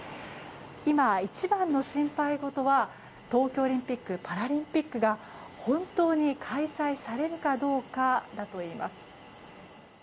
今、一番の心配事は東京オリンピック・パラリンピックが本当に開催されるかどうかだといいます。